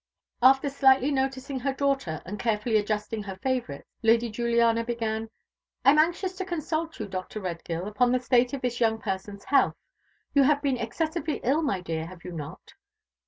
After slightly noticing her daughter, and carefully adjusting her favourites, Lady Juliana began: "I am anxious to consult you, Dr. Redgill, upon the state of this young person's health. You have been excessively ill, my dear, have you not?